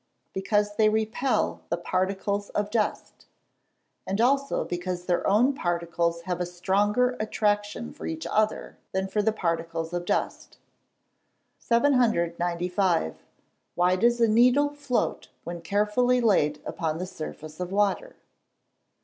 _ Because they repel the particles of dust; and also because their own particles have a stronger attraction for each other than for the particles of dust. 795. _Why does a needle float when carefully laid upon the surface of water?